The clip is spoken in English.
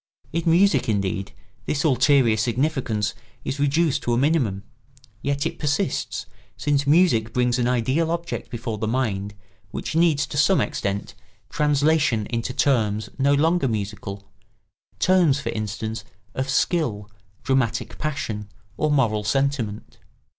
In music, indeed, this ulterior significance is reduced to a minimum; yet it persists, since music brings an ideal object before the mind which needs, to some extent, translation into terms no longer musical—terms, for instance, of skill, dramatic passion, or moral sentiment.